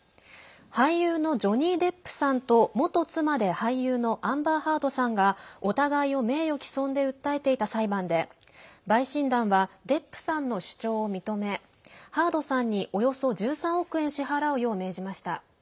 俳優のジョニー・デップさんと元妻で俳優のアンバー・ハードさんがお互いを名誉毀損で訴えていた裁判で陪審団はデップさんの主張を認めハードさんにおよそ１３億円支払うよう命じました。